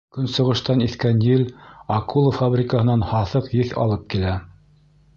Көнсығыштан иҫкән ел акула фабрикаһынан һаҫыҡ еҫ алып килә.